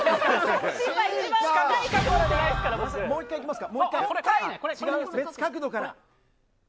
もう１回いきますか。